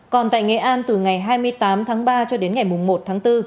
còn tại nghệ an từ ngày hai mươi tám tháng ba cho đến ngày một tháng bốn